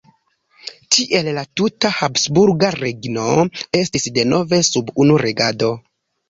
Tiel la tuta habsburga regno estis denove sub unu regado.